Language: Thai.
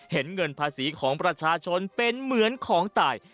เห็นเงินภาษีของประชาชนเป็นเหมือนของตาย